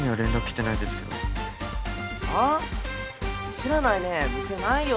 知らないね見てないよ。